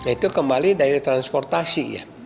itu kembali dari transportasi ya